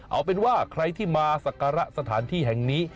เอาเป็นว่าใครที่มาสักการะสถานที่แห่งนี้